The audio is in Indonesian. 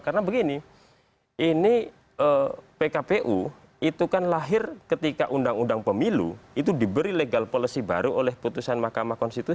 karena begini ini pkpu itu kan lahir ketika undang undang pemilu itu diberi legal policy baru oleh putusan mk